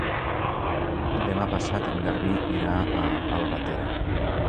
Demà passat en Garbí irà a Albatera.